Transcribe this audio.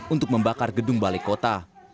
untuk membakar gedung balai kota